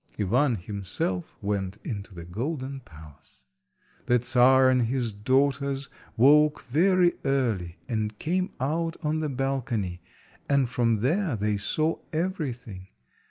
Ivan himself went into the golden palace. The Czar and his daughters woke very early, and came out on the balcony, and from there they saw everything.